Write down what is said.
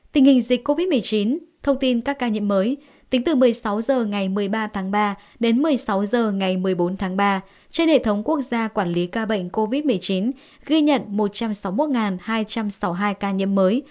tình hình dịch covid một mươi chín thông tin các ca nhiễm mới tính từ một mươi sáu h ngày một mươi ba tháng ba đến một mươi sáu h ngày một mươi bốn tháng ba trên hệ thống quốc gia quản lý ca bệnh covid một mươi chín ghi nhận một trăm sáu mươi một hai trăm sáu mươi hai ca nhiễm mới